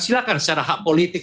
silahkan secara hak politik